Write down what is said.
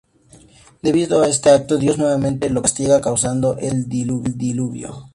Debido a este acto, Dios nuevamente lo castiga causando el Diluvio.